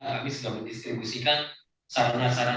kami sudah mendistribusikan sarana sarana